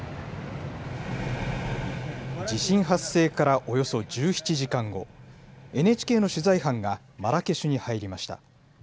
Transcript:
地震発生からおよそ１７時間後、ＮＨＫの取材班がマラケシュに入りました。